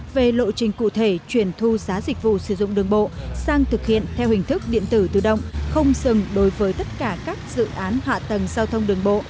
về lộ trình cụ thể chuyển thu giá dịch vụ sử dụng đường bộ sang thực hiện theo hình thức điện tử tự động không dừng đối với tất cả các dự án hạ tầng giao thông đường bộ